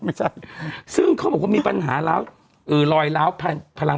ไม่ใช่ซึ่งเขาบอกว่ามีปัญหาล้าวเอ่อลอยล้าวพลัง